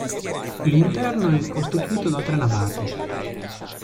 L'interno è costituito da tre navate.